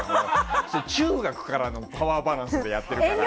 中学からのパワーバランスでやってるから。